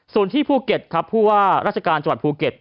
ส่วนที่ภูเก็ตครับผู้ว่าราชการจังหวัดภูเก็ต